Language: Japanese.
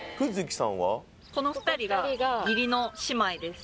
この２人が義理の姉妹です